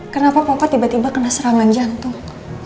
kenapa bapak tiba tiba kena serangan jantung